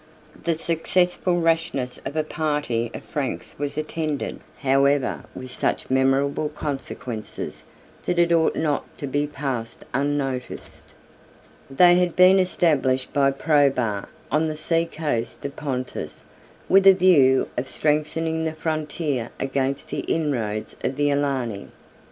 The successful rashness of a party of Franks was attended, however, with such memorable consequences, that it ought not to be passed unnoticed. They had been established by Probus, on the sea coast of Pontus, with a view of strengthening the frontier against the inroads of the Alani.